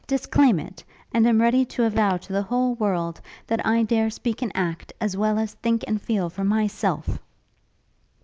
disclaim it! and am ready to avow to the whole world, that I dare speak and act, as well as think and feel for myself!'